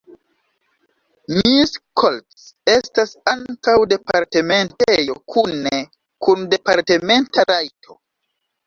Miskolc estas ankaŭ departementejo kune kun departementa rajto.